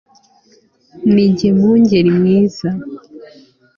Ni jye mwungeri mwiza